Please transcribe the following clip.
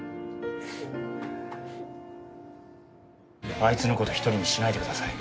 あいつの事１人にしないでください。